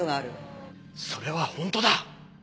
それは本当だ！